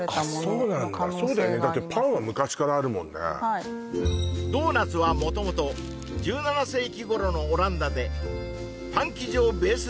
あっそうなんだそうだよねだってパンは昔からあるもんねはいドーナツは元々１７世紀頃のオランダでパン生地をベースに作られたのが始まりとされており